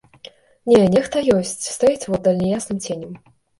Не, нехта ёсць, стаіць воддаль няясным ценем.